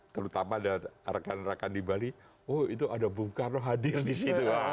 terutama ada rekan rekan di bali oh itu ada bung karno hadir di situ